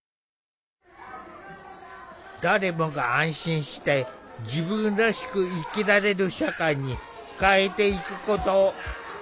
誰もが安心して自分らしく生きられる社会に変えていくこと。